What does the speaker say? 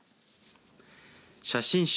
写真集